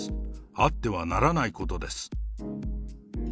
あってはならないことです。